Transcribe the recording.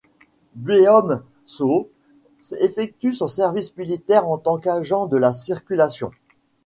Beom-soo effectue son service militaire en tant qu'agent de la circulation.